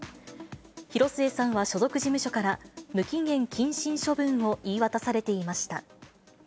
広末さんは所属事務所から、無期限謹慎処分を言い渡されていました。